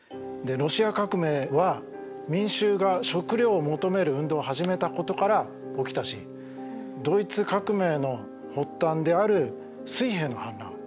ロシア革命は民衆が食料を求める運動を始めたことから起きたしドイツ革命の発端である水兵の反乱。